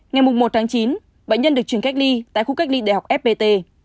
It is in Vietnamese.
ngày một chín bệnh nhân được chuyển cách ly tại khu cách ly đại học fpt